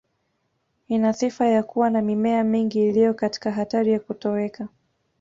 Ina sifa ya kuwa na mimea mingi iliyo katika hatari ya kutoweka